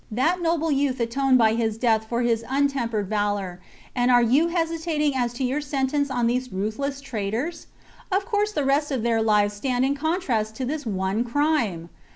That noble youth atoned by his death for his untem ^ pered valour, and are you hesitating as to your sen tence on these ruthless traitors } Of course the rest of their lives stand in contrast to this one crime!